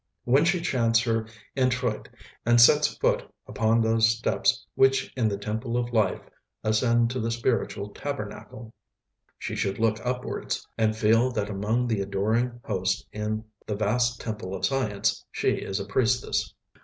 When she chants her introit and sets foot upon those steps which in the temple of life ascend to the spiritual tabernacle, she should look upwards, and feel that among the adoring host in the vast temple of science, she is a priestess.